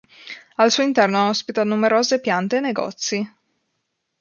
Al suo interno ospita numerose piante e negozi.